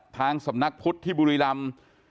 ทางสำนักพุทธที่บุรีรำ